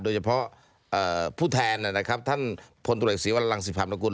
โดยเฉพาะผู้แทนนะครับท่านพลตุลอิสิวรรรลังสิภาพนกุล